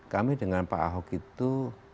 kami dengan pak ahok itu